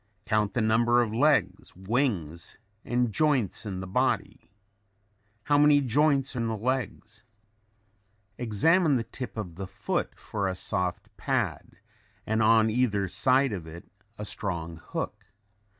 Count the number of legs, wings and joints in the body. How many joints in the legs? Examine the tip of the foot for a soft pad and on either side of it a strong hook.